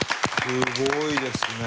すごいですね。